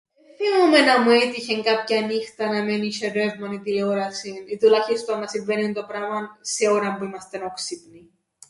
Εν θθυμούμαι να μου έτυχεν κάποιαν νύχταν να μεν έσ̆ει ρεύμαν ή τηλεόρασην ή τουλάχιστον να συμβαίννει τούντο πράμαν σε ώραν που είμαστεν όξυπνοι.